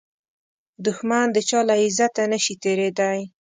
دښمن د چا له عزته نشي تېریدای